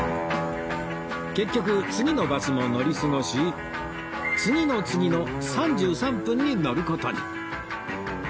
結局次のバスも乗り過ごし次の次の３３分に乗る事に